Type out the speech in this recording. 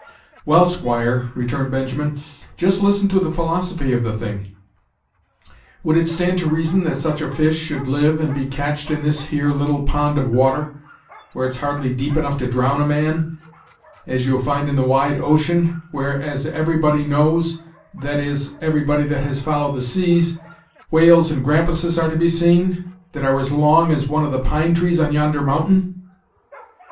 "Well, squire," returned Benjamin, "just listen to the philosophy of the thing. Would it stand to reason, that such a fish should live and be catched in this here little pond of water, where it's hardly deep enough to drown a man, as you'll find in the wide ocean, where, as every body knows that is, everybody that has followed the seas, whales and grampuses are to be seen, that are as long as one of the pine trees on yonder mountain?"